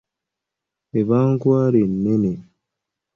Eba nkwale ennene.